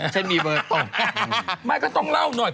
เช่นมีเบอร์ตรงไม่ก็ต้องเล่าหน่อย